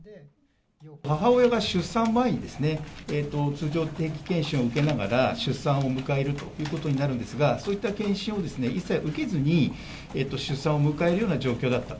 母親が出産前に、通常、定期健診を受けながら、出産を迎えるということになるんですが、そういった健診を一切受けずに、出産を迎えるような状況だったと。